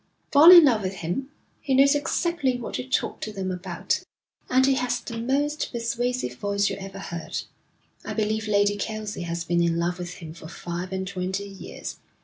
'Fall in love with him. He knows exactly what to talk to them about, and he has the most persuasive voice you ever heard. I believe Lady Kelsey has been in love with him for five and twenty years.